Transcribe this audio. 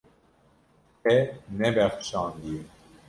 Te nebexşandiye.